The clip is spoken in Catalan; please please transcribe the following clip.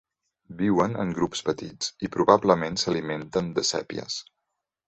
Viuen en grups petits i probablement s'alimenten de sèpies.